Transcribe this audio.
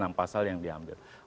enam pasal yang diambil